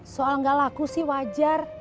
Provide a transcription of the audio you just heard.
soal nggak laku sih wajar